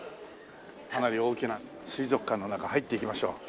かなり大きな水族館の中入っていきましょう。